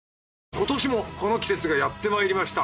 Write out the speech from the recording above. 今年もこの季節がやってまいりました。